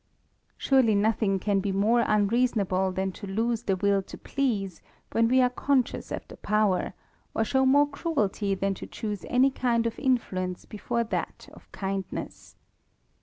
Sorely, nothing can be more unreasonable thanto lose the win to ple ase, when we are conscious of the power, or show moie cruelty thagr to choose any kind of influence before that of kindnafc.